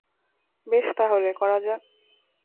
বেশ তাহলে, করা যাক।